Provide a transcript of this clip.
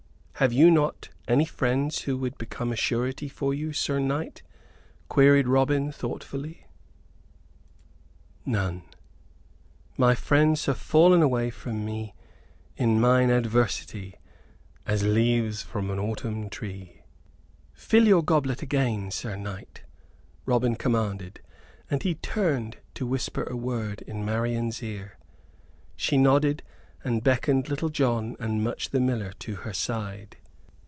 "Have you not any friends who would become a surety for you, Sir Knight?" queried Robin, thoughtfully. "None. My friends have fallen away from me in mine adversity as leaves from an autumn tree." "Fill your goblet again, Sir Knight," Robin commanded; and he turned to whisper a word in Marian's ear. She nodded, and beckoned Little John and Much the Miller to her side.